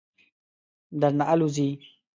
درنه آلوځي.